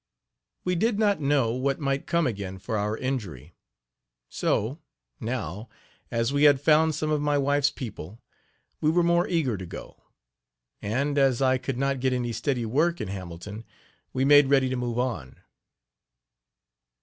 We did not know what might come again for our injury. So, now, as we had found some of my wife's people, we were more eager to go; and, as I could not get any steady work in Hamilton, we made ready to move on.